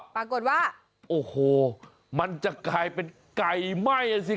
ปรากฏว่าโอ้โหมันจะกลายเป็นไก่ไหม้อะสิ